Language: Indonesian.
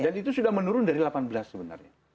dan itu sudah menurun dari delapan belas sebenarnya